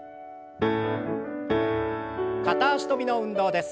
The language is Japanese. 片脚跳びの運動です。